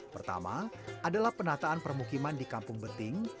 pertama adalah penataan permukiman di kampung beting